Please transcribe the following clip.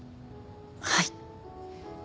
はい。